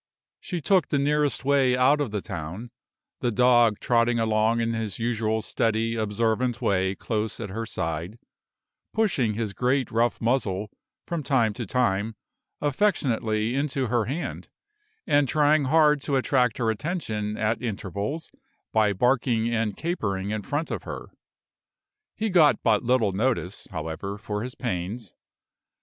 She took the nearest way out of the town; the dog trotting along in his usual steady, observant way close at her side, pushing his great rough muzzle, from time to time, affectionately into her hand, and trying hard to attract her attention at intervals by barking and capering in front of her. He got but little notice, however, for his pains.